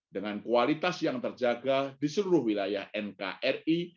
dengan kualitas yang terjaga di seluruh wilayah nkri